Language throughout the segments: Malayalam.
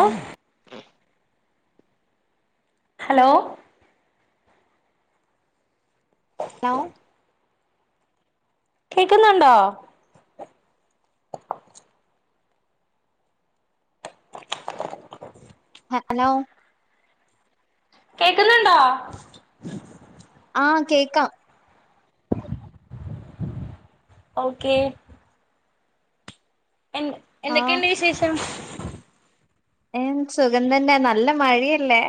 ഓഹ് ഹലോ ഹലോ കേക്കുന്നുണ്ടോ ഹലോ കേക്കുന്നുണ്ടോ? ആഹ് കേക്കാം [inaudible] ഓക്കെ എന്ത് ആഹ് എന്തൊക്കെണ്ട് വിശേഷം? ഏഹ് സുഗംതന്നെ നല്ല മഴല്ലേ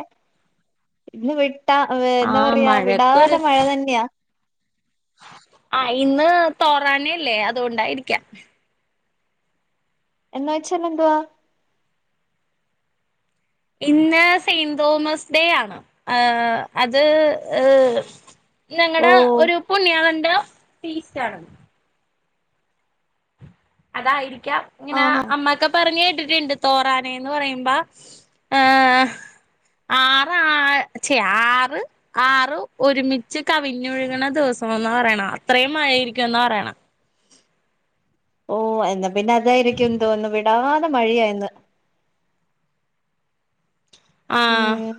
ഇന്ന് വിട്ടാ വ ആ എന്താ പറയാ വിടാതെ മഴക്കൊരു മഴ തന്നെയാ ആ ഇന്ന് തോറാനല്ലേ അതുകൊണ്ടായിരിക്കാം എന്ന് വെച്ചാലെന്തുവാ ഇന്ന് സെന്റ് തോമസ് ഡേ ആണ് അത് ഏഹ് ഞങ്ങടെ ഓഹ് ഒരു പുണ്യാളന്റെ ഫീസ്റ്റ് ആണ് അതായിരിക്കാം ഇങ്ങനെ ആഹാ അമ്മ്ക്ക് പറഞ്ഞ് കേട്ടിട്ടുണ്ട് തോറാനന്ന് പറയുമ്പ ആഹ് ആറ് ആ ചെ ആറ് ആറു ഒരുമിച്ച് കവിഞ്ഞൊഴുകണ ദിവസംന്ന് പറയണം അത്രയും മഴയിരിക്കുമന്ന് പറയണം ഓ എന്നാ പിന്നെ അതായിരിക്കും തോന്നുന്നു വിടാതെ മഴിയായിന്ന് ആഹ് ഉം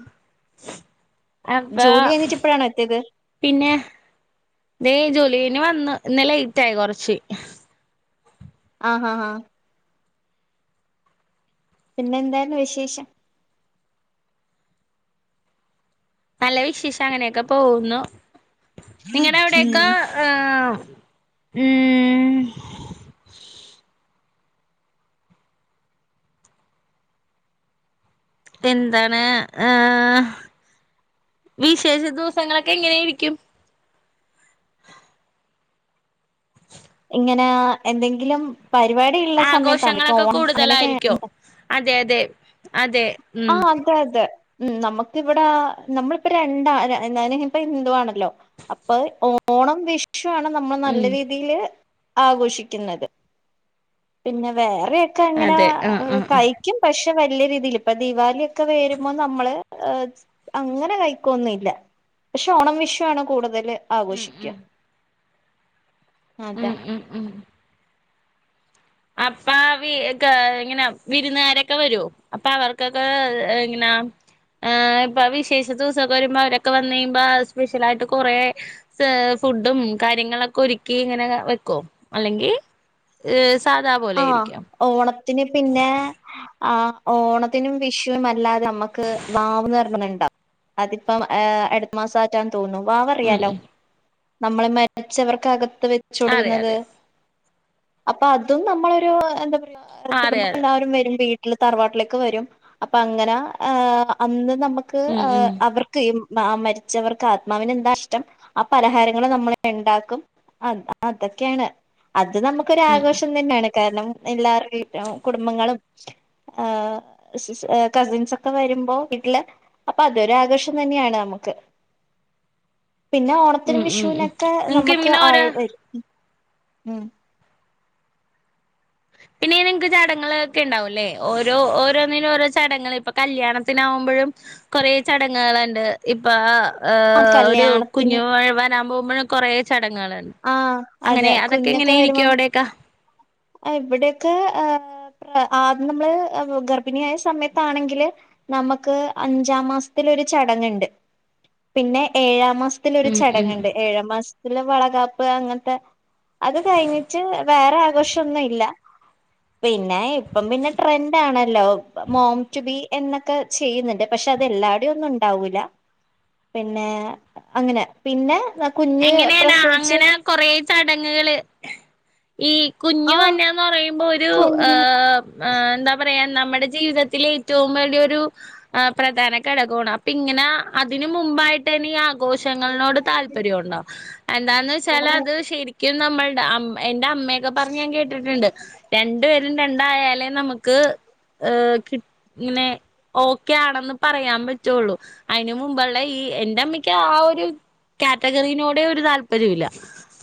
അപ്പൊ ജോലി കഴിഞ്ഞിട്ട് ഇപ്പഴാണോ എത്തിയത് പിന്നെ ദേ ജോലി കഴിഞ്ഞ് വന്ന് ഇന്ന് ലേറ്റ് ആയി കൊറച്ച് ആഹ് ആഹ് ആഹ് പിന്നെ എന്തായ്രുന്നു വിശേഷം നല്ല വിശേഷം അങ്ങനെയൊക്കെ പോകുന്നു നിങ്ങടെ ഉം അവിടെയൊക്കെ ആഹ് മ്മ് പ്പന്താണ് ഏഹ് വിശേഷ ദിവസങ്ങളൊക്കെ എങ്ങനെയിരിക്കും ഇങ്ങനെ എന്തെങ്കിലും പരിപാടി ഉള്ള സമയത്താണ് ആഘോഷങ്ങളൊക്കെ ഓണം അങ്ങനെയൊക്കെ കൂടുതലായിരിക്കോ അതെ അതെ അതെ ഉം ആഹ് തെഅതെ ഉം നമ്മക്കിവിടാ നമ്മളിപ്പ രണ്ടാ ര ഞ ഞാനിപ്പ ഹിന്ദു ആണല്ലോ അപ്പൊ ഓണം വിഷുവാണ് നമ്മൾ നല്ല ഉം രീതിയില് ആഘോഷിക്കുന്നത് പിന്നെ വേറെയക്കെ അങ്ങനാ അതെ ആഹ് ആഹ് ആഹ് കൈ ക്കും പക്ഷെ വല്ല്യ രീതീല് ഇപ്പ ദീപാലിയൊക്കെ വരുമ്പോ നമ്മള് അങ്ങനെ കഴിക്കൊന്നുംല്ല പക്ഷെ ഓണം വിഷുആണ് കൂടുതല് ഉം ആഘോഷിക്കാ ഉം ഉം അതെ ഉം അപ്പാ വി ക്ക് എങ്ങനെവിര്ന്നാരൊക്കെ വരോ അപ്പൊ വർക്കൊക്കെ എങ്ങനാ ആഹ് ഇപ്പ വിശേഷ ദിവസൊക്കെ വരുമ്പോ അവരൊക്കെ വന്നയ്യുമ്പോ സ്പെഷ്യൽ ആയിട്ട് കൊറേ സ ഫുഡും കാര്യങ്ങളൊക്കെ ഒരുക്കി ഇങ്ങനെ വെക്കോ അല്ലെങ്കി ഇഹ് ആഹ് ഓണത്തിന് പിന്നെ ആഹ് ഓണത്തിനും വിഷുവും അല്ലാതെ അമ്മക്ക് വാവ്ന്ന് പറഞ്ഞ്ന്നുണ്ടാവും അതിപ്പം ഏഹ് എട് മാസാറ്റാന് തോന്നുന്നു ഉം വാവറിയാലോ ഉം നമ്മള് മരിച്ചവർക്കകത്ത് വെ ച്ച് അതെ കൊടുക്കുന്നത് അതെ അപ്പാ അതും നമ്മളൊരു എന്താ അട്ത്ത അതെ കുടുംബങ്ങൾ അതെ എല്ലാവരും വരും വീട്ടില് തറവാട്ടിലേക്ക് വരും അപ്പൊ അങ്ങനെ ആഹ് അന്ന് നമ്മക് ക്ക് ഉം അ ഉം അവർ ക്ക് ആ മരിച്ചവർക്ക് ആത്മാവിന് എന്താ ഇഷ്ടം ആ പലഹാരങ്ങൾ നമ്മള് ഇണ്ടാക്കും അത അതൊക്കെണ് അത് ഉം നമുക്കൊരാഘോഷ് റ്റം തന്ന്യാെണ് കാരണം എല്ലാർ വി കുടുംബങ്ങളും ആഹ് സിസ് കസിൻസ് ഒക്കെ വരുമ്പോ വീട്ടില് അപ്പൊ അതൊരു ആഘോഷം തന്നെയാണ് നമുക്ക് പിന്നെ ഓ ഓണത്തിനും ഉം ഉം ഉം വിഷുവിനൊക്കെ നിങ്ങക്ക് നമ്മക്ക് ഇങ്ങനെ ഓരോ ആള് വരും ഉം പിന്നെ ങ്ങനെ ഇൻക്ക്‌ ചടങ്ങൾ ക്കെ ഇണ്ടാവുംല്ലേ ഓരോ ഓരോന്നിനും ഓരോ ചടങ്ങള് ഇപ്പൊ കല്യാണത്തിനാവുമ്പഴും കൊറെ ചടങ്ങാള്ണ്ട് ഇപ്പാ ഏ് ഒരു കല്യാണത്തിന് കുഞ്ഞു മോൻ വരാൻ പോകുമ്പഴും കുറെ ചടങ്ങാള് ആഹ് അതെ അങ്ങനെ അതൊക്കെ എങ്ങനേരിക്കും അവിടെക്ക എഹ് ഇവിടെക്ക ആഹ് പ്ര ആദ്യം നമ്മള് ഗർഭിണിയായ സമയത്താണെങ്കില് നമ്മക്ക് അഞ്ചാം മാസത്തില്ഒര് ചടങ്ങ്ണ്ട് പിന്നെ ഏഴാം മാസ് ത്തിലൊരു ഉം ഉം ചടങ്ങ്ണ്ട് ഏഴാം മാസ് ത്ത്ല് വളകാപ്പ് അങ്ങത്തെ അത് കഴിഞ്ഞിട്ട് വേറെ ആഘോഷ് ട്ടൊന്നുഇല്ല പിന്നെ ഇപ്പം പിന്നെ ട്രെന്റ് ആണല്ലോ മോം റ്റു ബി എന്നൊക്കെ ചെയ്യുന്നുണ്ട് പക്ഷെ അത് എല്ലാവ്ടെ ഒന്നും ഉണ്ടാവൂല്ല പിന്നെ അങ്ങനെ പിന്നെ നമ് എങ്ങനെണ് അങ്ങനെ- കൊറേ ചടങ്ങ്കള് ഈ ആഹ് കുഞ്ഞുവന്നാംന്ന് പറയുമ്പോ ഒര് രു ഏ് കുഞ്ഞ് ആഹ് എന്താ പറയാ നമ്മടെ ജീവിതത്തിലെ ഏറ്റവും വലിയൊരു ആഹ് പ്രധാന ഘടകോണ് അപ്പ ഇങ്ങന അതിന് മുമ്പായിട്ടാണ് ഈ ആഘോഷങ്ങൾനോട് താൽ പര്യം ഒണ്ടാെ എന്താന്ന് വെച്ചാല് അത് ശരിക്കും നമ്മൾടെ അമ്മ് എന്റെ അമ്മെക്ക പറഞ്ഞ് ഞാൻ കേട്ടിട്ട്ണ്ട് രണ്ടുപേരും രണ്ടായാലേ നമുക്ക് ഏ് കിട്ട് ഇങ്ങനെ ഓക്കെ ആണെന്ന് പറയാൻ പറ്റാെള്ളൂ അയിന് മുമ്പെള്ള ഈ എന്റെ അമ്മയ്ക്ക് ആ ഒരു ക്യാറ്റഗറിനോടെ ഒരു താല്പര്യം ഇല്ല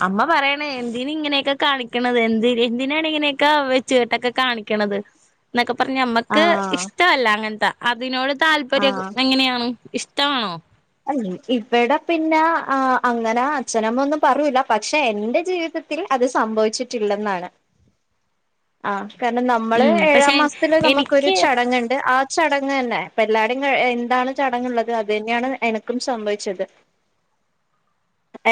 അമ്മ പറയണേ എന്തിന് ഇങ്ങനെക്ക കാണിക്കണത് എന്ത്‌ എന്തിനാണ് ഇങ്ങനെക്ക വെച് ച്ച് ക്കെട്ടൊക്ക കാണിക്ക്യണത് എന്നൊക്ക പറഞ്ഞ് അമ്മക്ക് ആഹ് ഇഷ്ടവല്ല അങ്ങൻത്ത അതിനോട് ആഹ് താല്പര്യോക്ക എങ്ങനെയാണ് ഇഷ് ട്ടവാണോ ആഹ് ഇവിട പിന്ന ആഹ് അങ്ങന അച്ഛനമ്മ ഒന്നും പറൂല്ല പക്ഷെ എന്റെ ജീവിതത് ത്തിൽ അത് സംഭവിച്ചിട്ടിള്ളെന്നാണ് ആഹ് കാരണം നമ്മള് ഉം പക്ഷെ ഏഴാം മാസത്തില് നമുക്കൊരു എനിക്ക് ചടങ്ങ്ണ്ട് ആത് ചടങ്ങ്ന്നേ അപ്പ എല്ലാടെംങ്ങ് എന്താണ് ചടങ്ങ്ള്ളത് അത് തന്നെയാണ് എനക്കും സംഭവിച്ചത് [inaudible]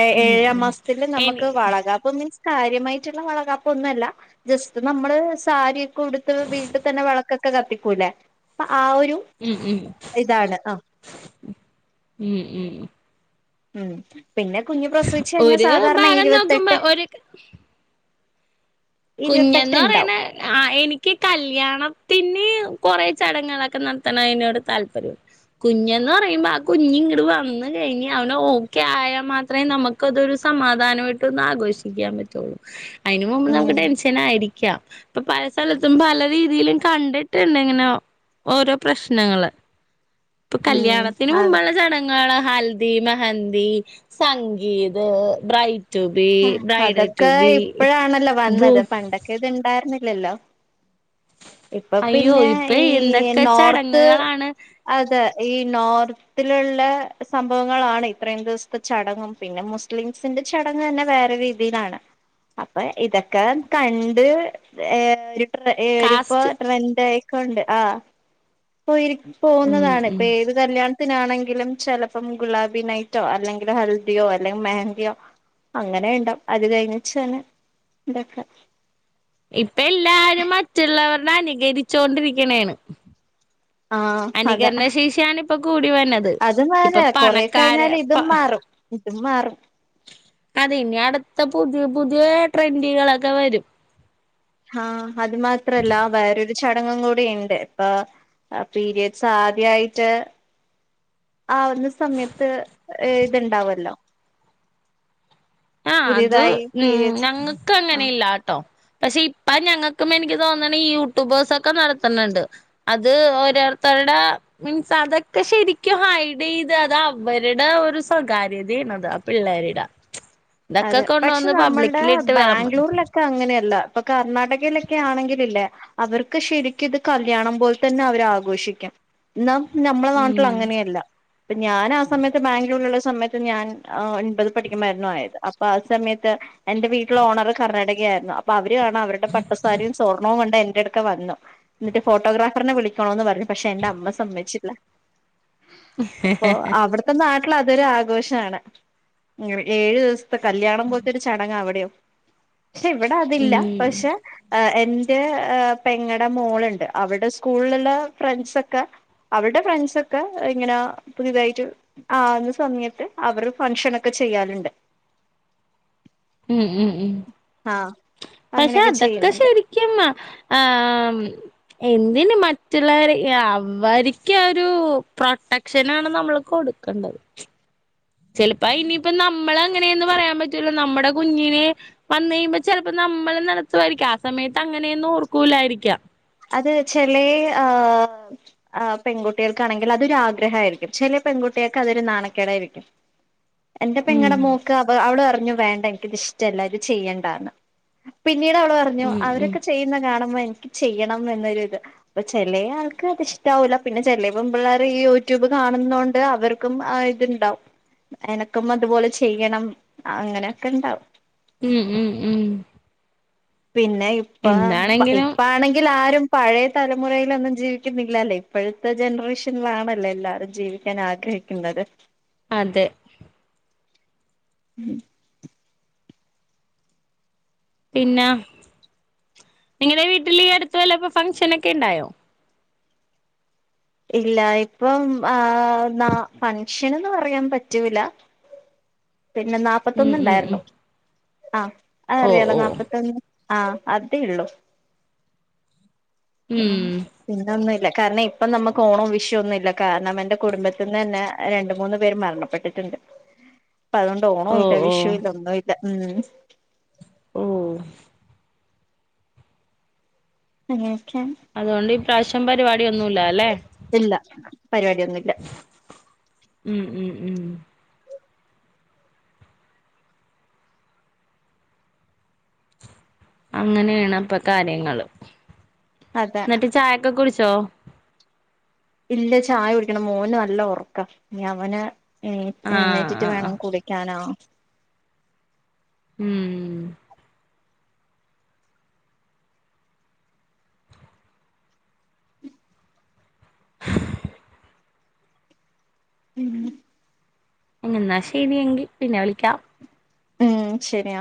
എ ഉം ഏഴാം ഉം മാസത്തില് എനി നമുക്ക് വളകാപ് പ്പ് മീൻസ് കാര്യമായിട്ടുള്ള വളകാപ്പ് ഒന്നുവല്ല ജസ്റ്റ് നമ്മള് സാരി ക്കുടുത്ത് വീട്ടി തന്നെ വെളക്കൊക്കെ കത്തിക്കൂല്ലേ പ്പ ആഹ് ഒരു ഉം ഉം ഇതാണ് ആ ഉം ഉം ഉം പിന്നെ കുഞ്ഞ് പ്രസവിച്ച് കഴിഞ്ഞാ ഒരു സാധാരണ ഭാഗം നോക്കുമ്പോ ഇരുപത്തെട്ട് ഒരു ഇരുപത്തെട്ട് കുഞ്ഞെന്ന് ഉണ്ടാവും പറയണെ ആഹ് എനിക്ക് കല്യാണത്തിന് കൊറെ ചടങ്ങുകളൊക്കെ നടത്തണതിനോട് താല്പര്യം ഉണ്ട് കുഞ്ഞെന്ന് പറയുമ്പ ആഹ് കുഞ്ഞ് ഇങ്ങട് വന്ന് കഴിഞ്ഞ് അവൻ ഓക്കെ ആയാ മാത്രേ നമുക്ക് ക്കതൊരു സമാധാനോയിട്ട് ഒന്ന് ആഘോഷിക്കാൻ പറ്റുള്ളൂ അയ്ന് മുമ്പ് ഉം നമുക്ക് ഡെലി ങ്ങനായിരിക്കാം ഇപ്പൊ പല സ്ഥലത്തും പല രീതിയിലും കണ്ടിട്ടുണ്ട് ഇങ്ങനെ ഓരോ പ്രശ്നങ്ങള് ഇപ്പൊ ഉം കല്യാണത്തിന് അതെ മുമ്പുള്ള ചട ങ്ങള് ഹൽദി മെഹന്തി സംഗീത് ബ്രൈ ആഹ് അതൊക്കെ ഇപ്പഴാണല്ലോ ബ്രൂ വന്നത് പണ്ടൊക്കെ ഇത് ഇണ്ടാരുന്നില്ലല്ലോ ഇപ്പൊ അയ്യോ പിന്നെ ഇപ്പ ഈ എന്തൊക്കെ നോർത്ത് ചടങ്ങുകളാണ് അതെ ഈ നോർത്തിലുള്ള സംഭവങ്ങളാണ് ഇത്രയും ദിവസത്തെ ചടങ്ങും പിന്നെ മുസ്ലിംസിന്റെ ചടങ്ങ് ങ്ങന്നെ വേറെ രീതിലാണ് അപ്പ ഇതൊക്കെ കണ്ട് ഏഹ് ഒരു ട്രെ ഇവരിപ്പോ കാസ്റ്റ് ട്രെന്റ് ആയിക്കൊണ്ട് ആഹ് പോയിരി ഉം പോകുന്നതാണ് ഉം ഇപ്പേത് കല്യാണത്തിനാണെങ്കിലും ചെലപ്പം ഗുലാബി നൈറ്റോ അല്ലെങ്കില് ഹൽദിയോ അല്ലെങ്കിൽ മെഹങ്കയോ അങ്ങനെ ഉണ്ടാവും അത് കഴിഞ്ഞെച്ചാണ് ഇതൊക്കെ ഇപ്പൊ എല്ലാരും മറ്റുള്ളവരുടെ അനുകരിച്ചോണ്ടിരിക്ക്ണെണ് ആഹ് അതെ അനുകരണ ശേഷിയാണ് ഇപ്പൊ കൂടി വര്ന്നത് അത് മാറ ഇപ്പൊ പണക്കാര് പ - ഇത് മാറും അതെ ഇനി അടുത്ത പുതിയ പുതിയ ട്രെൻഡുകളൊക്കെ വരും ആഹ് അത് മാത്രല്ല വേറൊരു ഒരു ചടങ്ങും കൂടി ഉണ്ട് ഇപ്പൊ പീരിഡ്സ് ആദ്യായിട്ട് ആവുന്ന സമയത്ത് ഇത്ണ്ടാവല്ലോ ആഹ് അത് പുതിയതായി ഉം പീരിയഡ്സ് ഞങ്ങക്ക് ആ അങ്ങനെയില്ലാട്ടോ പക്ഷെ ഇപ്പ ഞങ്ങക്കും എനിക്ക് തോന്നണ ഈ യൂട്യൂബേഴ്സ് ഒക്കെ നടത്തുന്നുണ്ട് അത് ഓരോരുത്തരുടെ മിൻസ് അതൊക്കെ ശരിക്കും ഹൈഡീത് അത് അവരുടെ ഒരു സ്വകാര്യതേണ് ആഹ് പിള്ളേരുടെ ഇതൊക്കെ അതെ പക്ഷെ കൊണ്ടുവന്ന് നമ്മുടെ പബ്ലിക്കിലിട്ട് വിളമ്പും ബാംഗ്ലൂരിലൊക്കെ ക്ക അങ്ങനെയല്ല ഇപ്പൊ കർണ്ണാടകയിലൊക്കെ ആണെങ്കില്ലേ അവർക്ക് ശരിക്ക്ത് കല്യാണം പോലെ തന്നെ അവരാ ആഘോഷിക്കാ ന്ന നമ്മളെ നാട്ടില് ഉം അങ്ങനെയല്ല പ്പ ഞാൻ ആഹ് സമയത്ത് ബാംഗ്ലൂരിലുള്ള സമയത്ത് ഞാൻ ഒൺപത് പഠിക്കുമ്പായിരുന്നു ആയത് അപ്പൊ ആഹ് സമയത്ത് എന്റെ വീട്ടിലെ ഓണർ കർണാടകയായിരുന്നു അപ്പ അവര് കാണാ അവരുടെ പട്ട് സാരിയും സ്വർണോം കൊണ്ട് എന്റെ അടുത്ത് ഇത്ത വന്നുന്നിട്ട് ഫോട്ടോഗ്രാഫറിനെ വിളിക്കണോന്ന് പറഞ്ഞു പക്ഷെ എന്റെ അമ്മ സമ്മയിച്ചില്ല പ്പൊ അവിടുത്തെ നാട്ടിൽ അതൊരു ആഘോഷാണ് ഏഴു ദിവസം കല്യാണം പോലെത്തൊരു ചടങ്ങ അവിടെയോ ക്ഷെ ഇവിടെ അതില്ല ഉം പക്ഷെ ആഹ് എന്റെ പെങ്ങടെ മോളുണ്ട് അവിടെ സ്കൂളിലുള്ള ഫ്രണ്ട്സൊക്കെ അവരുടെ ഫ്രണ്ട്സൊക്കെ അങ്ങനെ പുതുതായിട്ട് ആകുന്ന സമയത്ത് അവര് ഫംഗ്ഷന് ഒക്കെ ചെയ്യലുണ്ട് ഉം ഉം ഉ ആഹ് പക്ഷെ അങ്ങനെയൊക്കെ അതൊക്കെ ചെയ്യുന്നുണ്ട് ശരി ക്കും ആഹ് എന്തിന് മറ്റുള്ളവരെ അവര്ക്കൊരു പ്രൊട്ടക് ക്ഷനാണ് നമ്മള് കൊടുക്കണ്ടത് ചിലപ്പ ഇനിയിപ്പ നമ്മളങ്ങനെയന്ന് പറയാൻ പറ്റൂല്ലനമ്മുടെ കുഞ്ഞിനെ വന്ന് കഴിയുമ്പോ ചെലപ്പോ നമ്മള് നടത്തുവായിരിക്കാം ആഹ് സമയത്ത് അങ്ങനെയൊന്നും ഓർക്കൂലാ യിരിക്കാം അത് ചെലെ ആഹ് ആഹ് പെൺകുട്ടിയേൾക്കാണെങ്കിൽ അതൊരാഗ്രഹായിരിക്കും ചെല പെൺകുട്ടികൾക്ക് അതൊരു നാണക്കേടായിരിക്കും [inaudible] എന്റെ ഉം പെങ്ങടെ മോക്ക് അവ അവള് പറഞ്ഞ് വേണ്ട എനിക്കിത് ഇഷ് എല്ലാതചെയ്യണ്ടന്ന് പിന്നീട് അവള് പറഞ്ഞു ഉം ഉം അവരൊക്കെ ചെയ്യുന്ന കാണുമ്പോ എനിക്ക് ചെയ്യണം എന്നൊരിത് അപ്പൊ ചെലേ ആൾക്ക് അത് ഇഷ്ടാവൂല പിന്നെ ചെലേ പെൺ പിള്ളേര് ഈ യൂട്യൂബ് കാണുന്നോണ്ട് അവർ ക്കും ഇത്ണ്ടാവും എനക്കും അതുപോലെ ചെയ്യണം അങ്ങനെയൊക്കെണ്ടാവും ഉം ഉം ഉം പിന്നെ ഇപ്പ എന്താണെങ്കിലും ഇപ്പാണെങ്കിലാരും പഴയ തലമുറയിലൊന്നും ജീവിക്കുന്നില്ല ല്ലേ ഇപ്പോഴത്തെ ജനറേഷനിലാണല്ലോ എല്ലാവരും ജീവിക്കാൻ ആഗ്രഹി ക്കുന്നത് അതെ ഉം പിന്ന നിങ്ങളെ വീട്ടില് അടുത്തവല്ല ഇപ്പ ഫംഗഷനൊക്കെ ഉണ്ടായോ ഇല്ല ഇപ്പം ആഹ് ന്ന ഫങ്ഷൻന്ന് പറയാൻ പറ്റൂല പിന്നെ ഉം ഉം ഉം നാപത്തൊന്ന്ണ്ടായിരുന്നു ആഹ് അ ഓ അറിയാലോ ഓ നാപത്തൊന്ന് ആഹ് അതേള്ളു ഉം പിന്നൊന്നുല്ല കാരണം ഇപ്പൊ നമുക്ക് ഓണോവിശു വൊന്നുല്ല കാരണം എന്റെ കുടുംബത്തിൽ നിന്ന് തന്നെ രണ്ട് മൂന്ന് പേര് മരണപ്പെട്ടിട്ടുണ്ട് അപ്പ അതുകൊണ്ട് ഓണം ഓ ഇല്ല ഓ വിഷു ഇല്ല ഒന്നും ഇല്ല ഉം ഉം പ്പങ്ങനക്കെ അതുകൊണ്ട് ഈ പ്രാവശ്യം പരിപാടിയൊന്നുല്ല അല്ലെ ഇല്ല പരിപാടിയൊന്നുല്ല ഉം ഉം ഉം അങ്ങനയാണ് അപ്പ കാര്യങ്ങള് അതെ എന്നിട്ട് ചായൊക്കെ കുടിച്ചോ ഇല്ല ചായ കുടിക്കണം മോന് നല്ല ഉറക്ക ഇനി അവന് എനി ആഹ് എണീറ്റിട്ട് ആഹ് ആഹ് വേണം കുടി ക്കാനോ ഉം ഉം എന്നാ ശരിയെങ്കി പിന്നെ വിളിക്കാം ഉം ശരിയ